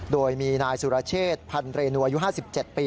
โดยมีนายสุรเชษพันเรนูอายุ๕๗ปี